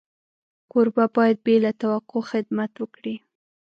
کوربه باید بې له توقع خدمت وکړي.